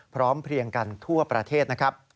พร้อมเพลียงกันทั่วประเทศ